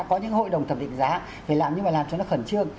có những hội đồng thẩm định giá phải làm nhưng mà làm cho nó khẩn trương